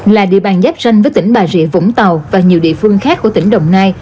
là địa bàn giáp ranh với tỉnh bà rịa vũng tàu và nhiều địa phương khác của tỉnh đồng nai